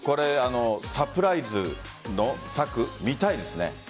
サプライズの策見たいですね。